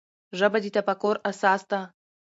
ژبه د تفکر اساس ده.